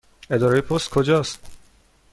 اداره پست کجا است؟